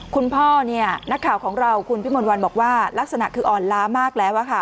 คุณพ่อเนี่ยนักข่าวของเราคุณพี่มนต์วันบอกว่าลักษณะคืออ่อนล้ามากแล้วค่ะ